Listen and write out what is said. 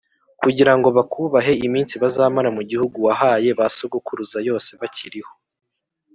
kugira ngo bakubahe iminsi bazamara mu gihugu wahaye ba sogokuruza yose bakiriho